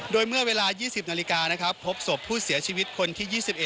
โดยเมื่อเวลา๒๐นาฬิกานะครับพบศพผู้เสียชีวิตคนที่๒๑